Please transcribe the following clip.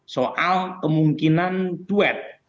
soal kemungkinan duet